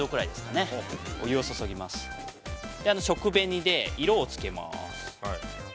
食紅で色をつけます。